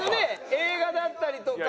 映画だったりとか。